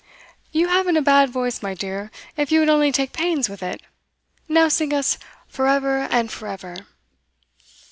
'You haven't a bad voice, my dear, if you would only take pains with it. Now sing us "For Ever and for Ever."